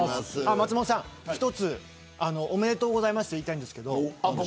松本さん一つおめでとうございますと言いたいんですが。